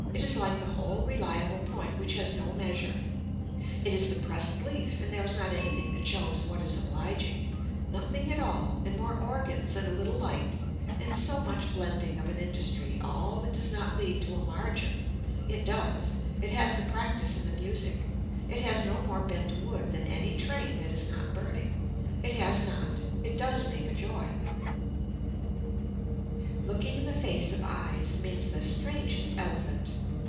It is like the whole reliable point which has no measure, it is the pressed leaf and there is not anything that shows what is obliging, nothing at all and more organs and a little light and so much blending of an industry all that does not lead to a margin, it does, it has the practice and the music, it has no more bent wood than any train that is not burning, it has not, it does make a joy. Looking in the face of eyes means the strangest elephant.